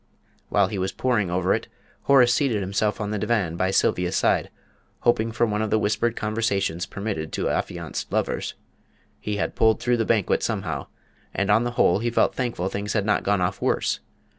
While he was poring over it, Horace seated himself on the divan by Sylvia's side, hoping for one of the whispered conversations permitted to affianced lovers; he had pulled through the banquet somehow, and on the whole he felt thankful things had not gone off worse.